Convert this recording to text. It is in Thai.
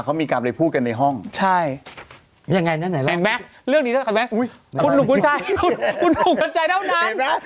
เขามีการบ่ายพูดกันในห้องใช่เรื่องนี้ครับเลยนะ